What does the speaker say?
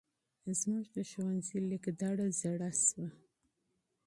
زمونږ د ښونځې لېک دړه زاړه شوی.